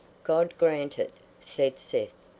"God grant it," said Seth.